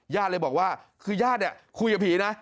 ญาติเลยบอกว่าคือญาติเนี่ยคุยกับผีนะ